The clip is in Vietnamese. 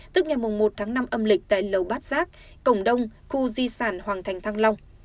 tức ngày một tháng năm âm lịch tại lầu bát giác cổng đông khu di sản hoàng thành thăng long